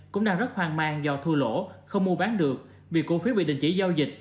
cũng đang rất hoang mang do thua lỗ không mua bán được vì cổ phiếu bị đình chỉ giao dịch